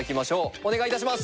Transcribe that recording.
お願い致します。